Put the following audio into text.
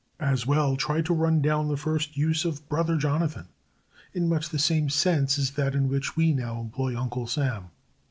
As well try to run down the first use of "Brother Jonathan," in much the same sense as that in which we now employ "Uncle Sam."